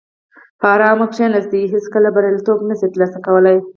په ارامه کیناستونکي هیڅکله بریالیتوب نشي ترلاسه کولای.